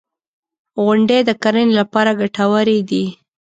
• غونډۍ د کرنې لپاره ګټورې دي.